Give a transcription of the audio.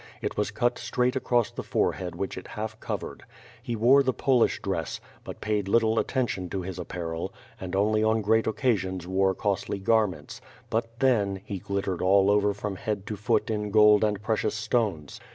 It was cut straight across the forehead which it half covered. He wore the Polish dress, but paid little attention to his ap parel, and only on great occasions wore costly garments; but then, he glittered all over from head to foot in gold and precious stones.